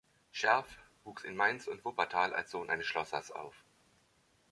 Scherf wuchs in Mainz und Wuppertal als Sohn eines Schlossers auf.